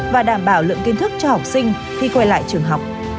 và đảm bảo lượng kiến thức cho học sinh khi quay lại trường học